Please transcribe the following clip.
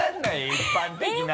一般的な。